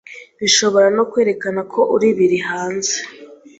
bishobora no kwerekanako uri biri hanze